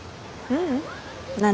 うん！